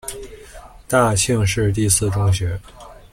大庆市第四中学。